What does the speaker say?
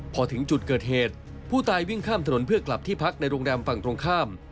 พอถึงจุดเกิดเหตุผู้ตายวิ่งข้ามถนนเพื่อกลับที่พักในโรงแรมฝั่งตรงข้าม